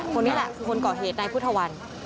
คนนี้แหละคนก่อเหตุในพุทธวัน